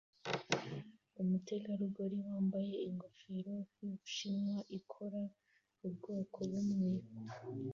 umutegarugori wambaye ingofero yubushinwa ikora ubwoko bumwe